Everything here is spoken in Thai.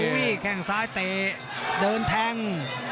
โอ้โหแข่งซ้ายเตเดินแทง